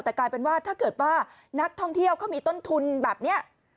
แต่กลายเป็นว่าถ้าเกิดว่านักท่องเที่ยวเขามีต้นทุนแบบนี้